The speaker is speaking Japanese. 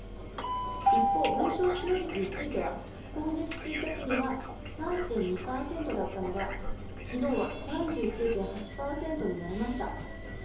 一方、病床使用率については今月１日には３．２％だったのが昨日は３９．８％になりました。